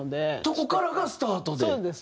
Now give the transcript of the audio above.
とこからがスタートで？